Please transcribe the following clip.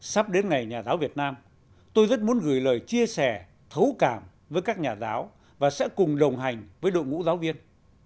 sắp đến ngày nhà giáo việt nam tôi rất muốn gửi lời chia sẻ thấu cảm với các nhà giáo và sẽ cùng đồng hành với đội ngũ giáo viên